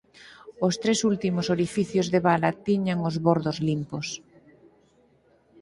Os tres últimos orificios de bala tiñan os bordos limpos.